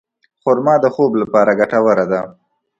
خرما د خوب لپاره ګټوره ده.